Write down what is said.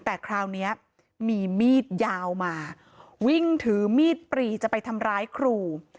แต่คราวนี้มีมีดยาวมาวิ่งถือมีดปรีจะไปทำร้ายครู